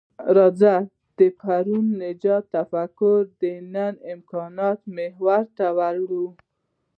راځئ د پرون د نجات تفکر د نن امکاناتو محور ته راوړوو.